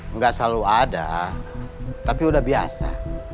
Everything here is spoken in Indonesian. nggak selalu ada tapi udah biasa